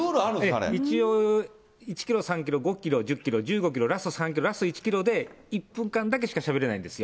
一応、１キロ、３キロ、５キロ、１０キロ、３キロ、ラスト３キロ、ラスト１キロで、１分間だけしかしゃべれないんですよ。